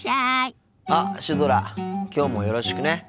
あっシュドラきょうもよろしくね。